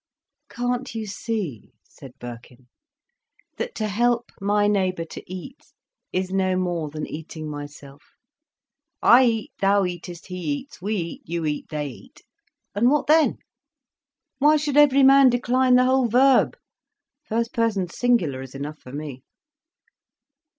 "Can't you see," said Birkin, "that to help my neighbour to eat is no more than eating myself. 'I eat, thou eatest, he eats, we eat, you eat, they eat'—and what then? Why should every man decline the whole verb. First person singular is enough for me."